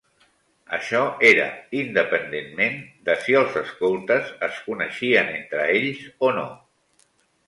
Això era independentment de si els escoltes es coneixien entre ells o no.